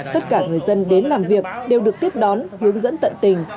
tất cả người dân đến làm việc đều được tiếp đón hướng dẫn tận tình